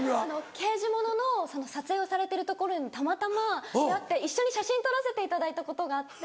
刑事物の撮影をされてるところにたまたま出会って一緒に写真撮らせていただいたことがあって。